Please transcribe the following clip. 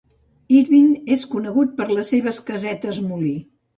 Irwin és conegut per les seves casetes molí.